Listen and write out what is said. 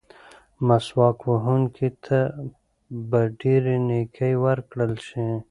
مسواک وهونکي ته به ډېرې نیکۍ ورکړل شي.